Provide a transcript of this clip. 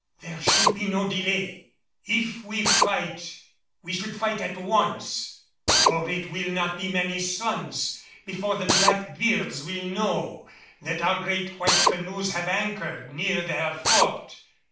There should be no delay. If we fight we should fight at once; for it will not be many suns before the black beards will know that our great white canoes have anchored near their fort.